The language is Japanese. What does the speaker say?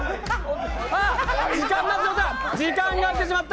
時間になってしまった。